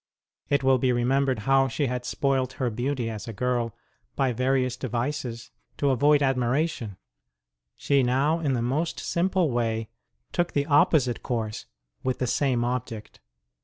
It will be remembered how she had spoilt her beauty as a girl by various devices to avoid admiration. 134 ST ROSE OF LIMA She now, in the most simple way, took the oppo site course with the same object.